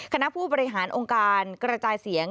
คณะผู้บริหารองค์การกระจายเสียง